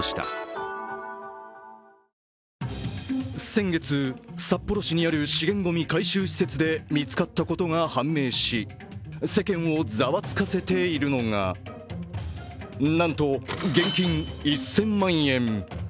先月、札幌市にある資源ごみ回収施設で見つかったことが判明し世間をざわつかせているのがなんと現金１０００万円。